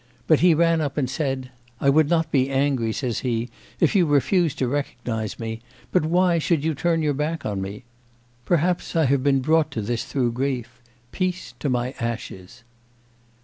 But he ran up and said, "I would not be angry," says he, "if you refused to recognise me, but why should you turn your back on me? Perhaps I have been brought to this through grief. Peace to my ashes!"